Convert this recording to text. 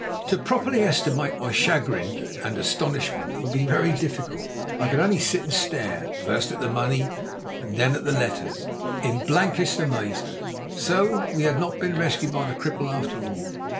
To properly estimate my chagrin and astonishment would be very difficult. I could only sit and stare, first at the money and then at the letters, in blankest amazement. So we had not been rescued by the cripple after all.